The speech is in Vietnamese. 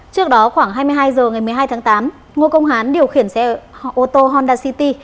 trước đó khoảng hai mươi hai h ngày một mươi hai tháng tám ngô công hán điều khiển xe ô tô honda city